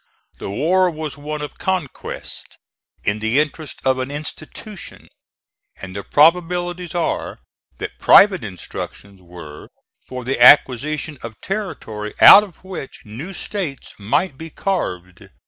The war was one of conquest, in the interest of an institution, and the probabilities are that private instructions were for the acquisition of territory out of which new States might be carved.